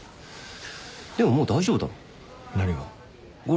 でももう大丈夫だろ。